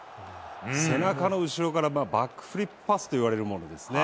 背中の後ろからバックフリップパスといわれるものですね。